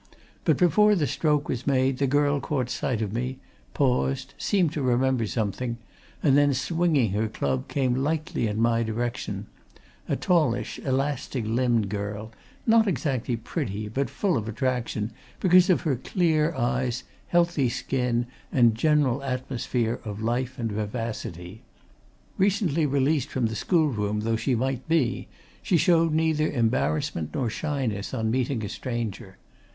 But before the stroke was made the girl caught sight of me, paused, seemed to remember something, and then, swinging her club, came lightly in my direction a tallish, elastic limbed girl, not exactly pretty, but full of attraction because of her clear eyes, healthy skin, and general atmosphere of life and vivacity. Recently released from the schoolroom though she might be, she showed neither embarrassment nor shyness on meeting a stranger.